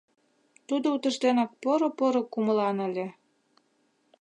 Тудо утыжденак поро-поро кумылан ыле.